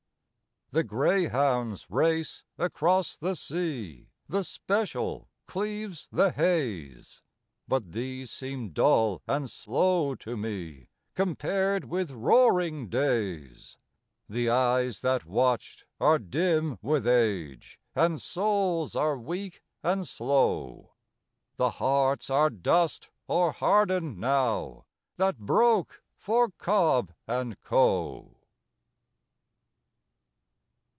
The 'greyhounds' race across the sea, the 'special' cleaves the haze, But these seem dull and slow to me compared with Roaring Days! The eyes that watched are dim with age, and souls are weak and slow, The hearts are dust or hardened now that broke for Cobb and Co.